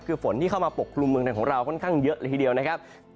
คือฝนที่เข้ามาปกคลุมเมืองไทยของเราค่อนข้างเยอะเลยทีเดียวนะครับ